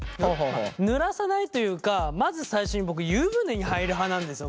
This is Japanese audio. まあぬらさないというかまず最初に僕湯船に入る派なんですよ